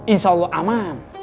insya allah aman